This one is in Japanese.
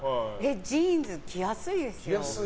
ジーンズ着やすいですよ。